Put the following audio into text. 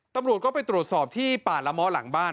ตำรวจก็ไปตรวจสอบที่ป่าละม้อหลังบ้าน